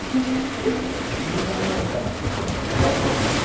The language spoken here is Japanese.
「順番が来たらご案内します。